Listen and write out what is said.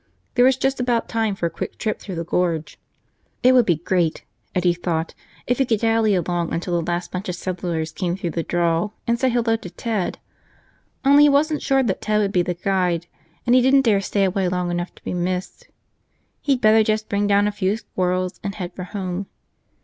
There was just about time for a quick trip through the Gorge. It would be great, Eddie thought, if he could dally along until the last bunch of settlers came through the draw and say hello to Ted. Only he wasn't sure that Ted would be the guide, and he didn't dare stay away long enough to be missed. He'd better just bring down a few squirrels and head for home.